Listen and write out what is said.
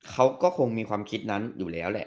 เขาก็คงมีความคิดนั้นอยู่แล้วแหละ